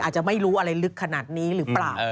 อาจจะไม่รู้อะไรลึกขนาดนี้หรือเปล่า